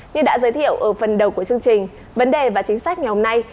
như đã giới thiệu ở phần đầu của chương trình vấn đề và chính sách ngày hôm nay